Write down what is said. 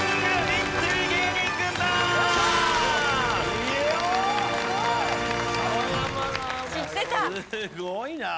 すごいな。